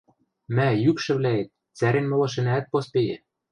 Мӓ, йӱкшӹвлӓэт, цӓрен моло шӹнӓӓт поспейӹ.